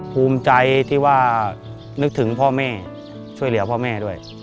ภูมิใจที่ว่านึกถึงพ่อแม่ช่วยเหลือพ่อแม่ด้วย